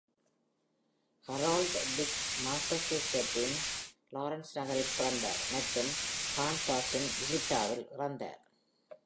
Harold Dick மாசசூசெட்ஸின் Lawrence நகரில் பிறந்தார் மற்றும் கான்சாஸின் விசிட்டாவில் இறந்தார்.